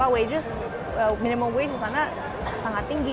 wages minimum wages di sana sangat tinggi